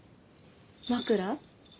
枕？